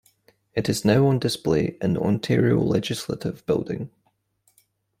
It is now on display in the Ontario Legislative Building.